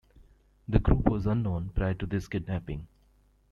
The group was unknown prior to this kidnapping.